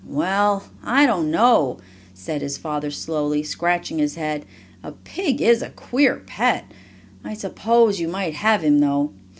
"Well, I don't know," said his father slowly, scratching his head. "A pig is a queer pet. I suppose you might have him, though.